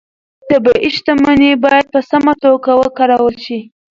طبیعي شتمنۍ باید په سمه توګه وکارول شي